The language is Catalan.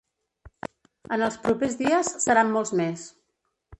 En els propers dies seran molts més.